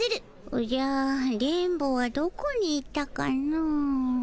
おじゃ電ボはどこに行ったかの？